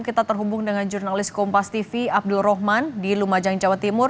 kita terhubung dengan jurnalis kompas tv abdul rohman di lumajang jawa timur